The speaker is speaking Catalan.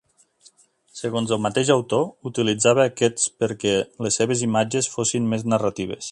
Segons el mateix autor, utilitzava aquests perquè les seves imatges fossin més narratives.